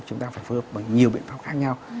chúng ta phải phối hợp bằng nhiều biện pháp khác nhau